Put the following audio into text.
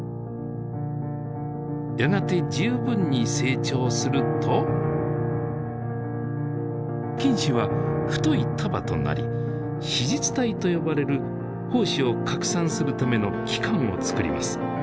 やがて十分に成長すると菌糸は太い束となり「子実体」と呼ばれる胞子を拡散するための器官をつくります。